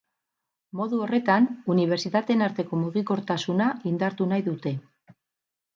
Modu horretan unibertsitateen arteko mugikortasuna indartu nahi dute.